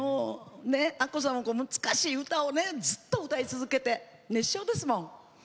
アッコさんも難しい歌をずっと歌い続けてきて熱唱ですもん。